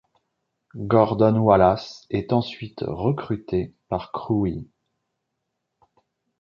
Gordon Wallace est ensuite recruté par Crewe.